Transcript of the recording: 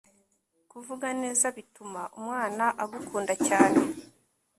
kuvuga neza bituma umwana agukunda cyane